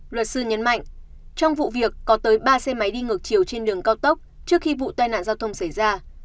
luật sư nhấn mạnh trong vụ việc có tới ba xe máy đi ngược chiều trên đường cao tốc trước khi vụ tai nạn giao thông xảy ra